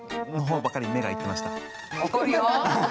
怒るよ。